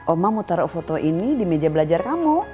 oma mau taruh foto ini di meja belajar kamu